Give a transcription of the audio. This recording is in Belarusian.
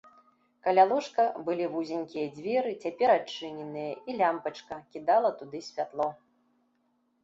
Каля ложка былі вузенькія дзверы, цяпер адчыненыя, і лямпачка кідала туды святло.